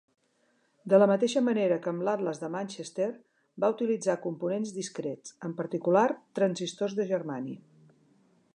De la mateixa manera que amb l'Atlas de Manchester, va utilitzar components discrets, en particular transistors de germani.